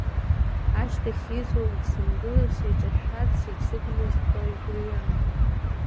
Ашьҭахь, изулак сангыла, сеиҿышәшәарц егьсыгмызт баҩ-баҩы.